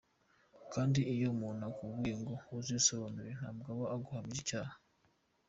Kandi iyo umuntu akubwiye ngo uzisobanure ntabwo aba aguhamije icyaha.